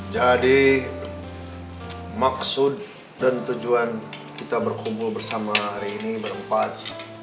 maksud dan tujuan kita berkumpul bersama hari ini berempat